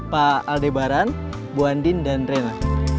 pak aldebaran bu andin dan rena